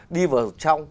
đi vào trong